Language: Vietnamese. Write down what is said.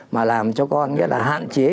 mà làm cho con nghĩa là hạn chế